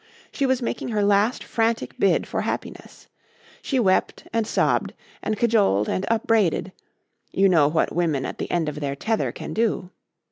She was making her last frantic bid for happiness. She wept and sobbed and cajoled and upbraided You know what women at the end of their tether can do.